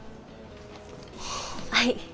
はい。